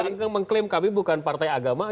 itu nggak mengklaim kami bukan partai agama